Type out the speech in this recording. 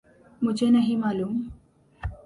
مجھے نہیں معلوم۔